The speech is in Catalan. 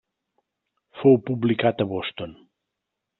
Fou publicat a Boston.